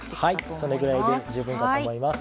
それぐらいで十分だと思います。